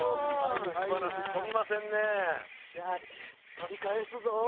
取り返すぞ！